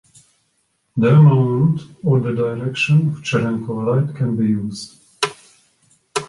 The amount or the direction of Cherenkov light can be used.